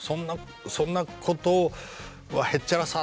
「そんなことはへっちゃらさ！